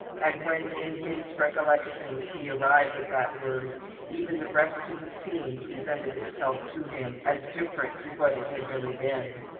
And when in his recollections he arrived at that word, even the rest of the scene presented itself to him as different to what it had really been.